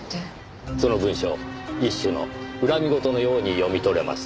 その文章一種の恨み言のように読み取れます。